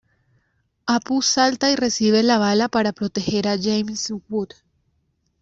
Apu salta y recibe la bala para proteger a James Wood.